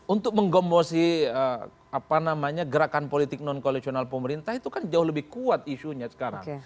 untuk menggembosi gerakan politik non koalisional pemerintah itu kan jauh lebih kuat isunya sekarang